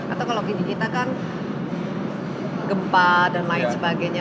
atau kalau kita kan gempa dan lain sebagainya